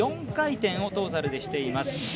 ４回転をトータルでしています。